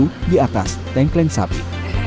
dan dikocokkan di atas tengkleng sapi